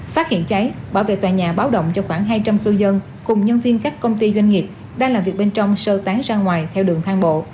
phát hiện cháy bảo vệ tòa nhà báo động cho khoảng hai trăm linh cư dân cùng nhân viên các công ty doanh nghiệp đang làm việc bên trong sơ tán ra ngoài theo đường thang bộ